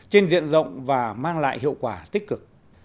trên diện rộng và mang lại hiệu quả tích cực